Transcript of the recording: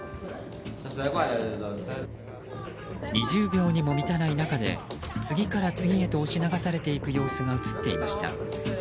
２０秒にも満たない中で次から次へと押し流されていく様子が映っていました。